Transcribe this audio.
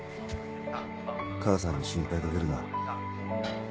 母さんに心配かけるな。